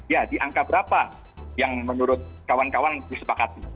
ya diangka berapa yang menurut kawan kawan disepakati